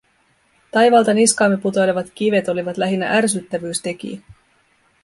Taivaalta niskaamme putoilevat kivet olivat lähinnä ärsyttävyystekijä.